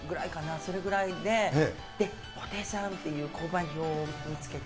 それぐらいで、布袋さんっていうこうばん表を見つけて。